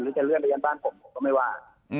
หรือจะเลื่อนไปย้านบ้านผมก็ไม่ว่า